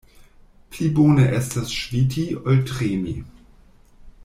Pli bone estas ŝviti, ol tremi.